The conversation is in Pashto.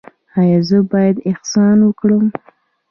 ایا زه باید احسان وکړم؟